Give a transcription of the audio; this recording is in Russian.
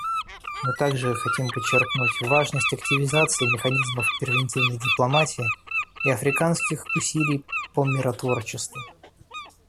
Мы также хотим подчеркнуть важность активизации механизмов превентивной дипломатии и африканских усилий по миротворчеству.